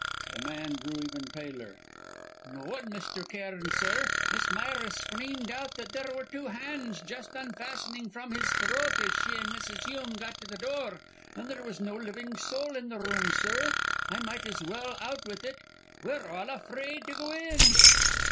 The man grew even paler. "No one, Mr. Cairn, sir. Miss Myra screamed out that there were two hands just unfastening from his throat as she and Mrs. Hume got to the door, and there was no living soul in the room, sir. I might as well out with it! We're all afraid to go in!"